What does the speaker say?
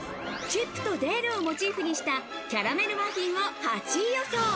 チップとデールをモチーフにしたキャラメルマフィンを８位予想。